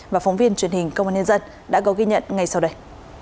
và phóng viên truyền hình công an nhân dân đã có ghi nhận ngay sau đây